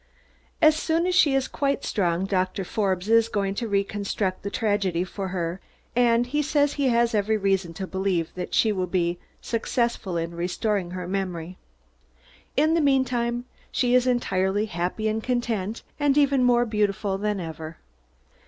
As soon as she is quite strong, Doctor Forbes is going to reconstruct the tragedy for her, and he says he has every reason to believe that he will be successful in restoring her memory. In the meantime, she is entirely happy and content, and more beautiful than ever.